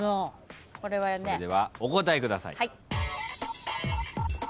それではお答えください。